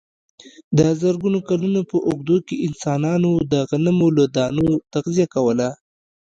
د زرګونو کلونو په اوږدو کې انسانانو د غنمو له دانو تغذیه کوله.